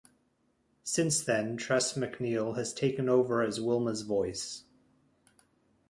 Since then, Tress MacNeille has taken over as Wilma's voice.